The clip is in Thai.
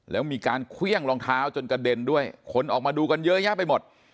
แล้วมีการเครื่องรองเท้าจนกระเด็นด้วยคนออกมาดูกันเยอะแยะไปหมด